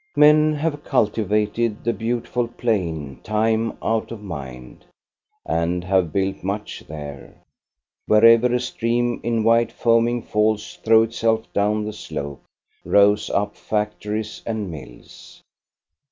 Men have cultivated the beautiful plain time out of mind, and have built much there. Wherever a stream in white foaming falls throws itself down the slope, rose up factories and mills.